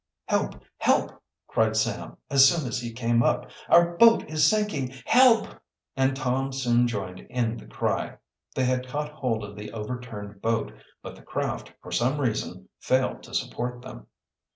"Help! help!" cried Sam, as soon as he came up. "Our boat is sinking. Help!" And Tom soon joined in the cry. They had caught hold of the overturned boat, but the craft, for some reason, failed to support them.